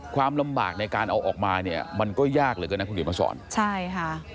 ความลำบากในการเอาออกมาเนี่ยมันก็ยากเหลือเกินนะคุณเขียนมาสอนใช่ค่ะ